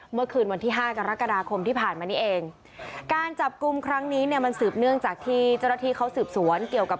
เมื่อคืนวันที่ห้ากรกฎาคมที่ผ่านมานี้เองการจับกลุ่มครั้งนี้เนี่ยมันสืบเนื่องจากที่เจ้าหน้าที่เขาสืบสวนเกี่ยวกับ